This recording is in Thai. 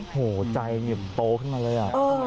โอ้โฮใจเหนียบโตขึ้นมาเลย